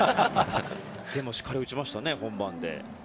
しっかり打ちましたね本番で。